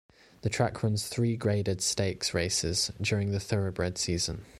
The track runs three graded stakes races during the thoroughbred season.